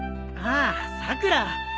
ああさくら。